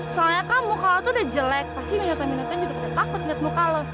soalnya kamu kalo tuh udah jelek pasti minat minatnya juga pake takut liat muka lo